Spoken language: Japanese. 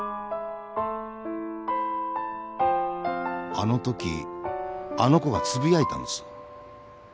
あのときあの子がつぶやいたんです。